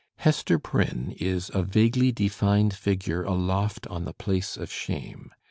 Hester Prynne is a "vaguely defined figure aloft on the place of shame."